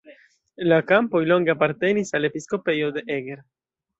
La kampoj longe apartenis al episkopejo de Eger.